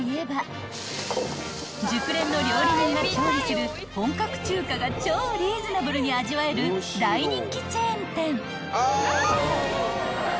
［熟練の料理人が調理する本格中華が超リーズナブルに味わえる大人気チェーン店］